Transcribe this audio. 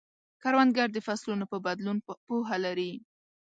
کروندګر د فصلونو په بدلون پوهه لري